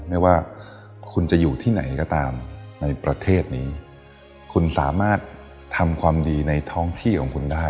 ไม่ว่าคุณจะอยู่ที่ไหนก็ตามในประเทศนี้คุณสามารถทำความดีในท้องที่ของคุณได้